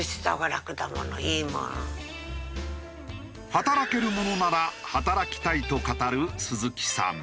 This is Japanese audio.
働けるものなら働きたいと語る鈴木さん。